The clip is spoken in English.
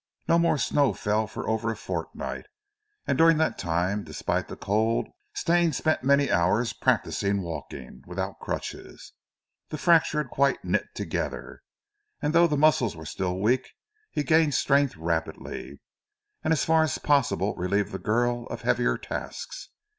No more snow fell for over a fortnight, and during that time, despite the cold, Stane spent many hours practising walking without crutches. The fracture had quite knit together, and though his muscles were still weak, he gained strength rapidly, and as far as possible relieved the girl of heavier tasks.